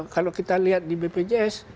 kalau kita lihat di bpjs